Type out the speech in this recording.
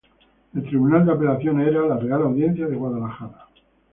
El tribunal de apelaciones era la Real Audiencia de Guadalajara.